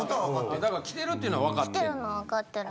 だから来てるっていうのはわかってる。